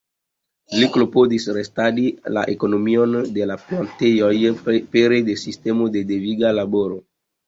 Li klopodis restarigi la ekonomion de la plantejoj pere de sistemo de deviga laboro.